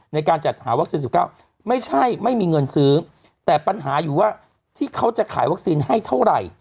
ในการจัดหาวัคซีน๑๙ไม่ใช่ไม่มีเงินซื้อแต่ปัญหาอยู่ว่าที่เขาจะขายวัคซีนให้เท่าไหร่